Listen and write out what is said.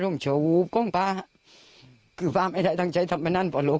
โมงกาศติ